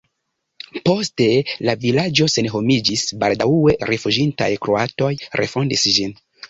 Poste la vilaĝo senhomiĝis, baldaŭe rifuĝintaj kroatoj refondis ĝin.